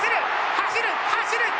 走る走る！